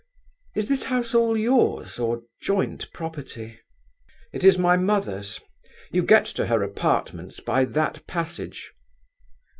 Is this house all yours, or joint property?" "It is my mother's. You get to her apartments by that passage."